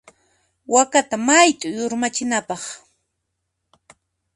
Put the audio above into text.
Wakata mayt'uy urmachinapaq.